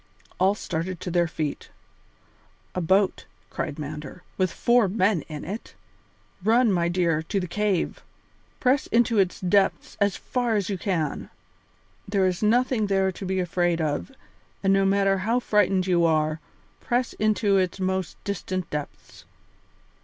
All started to their feet. "A boat," cried Mander, "with four men in it? Run, my dear, to the cave; press into its depths as far as you can. There is nothing there to be afraid of, and no matter how frightened you are, press into its most distant depths.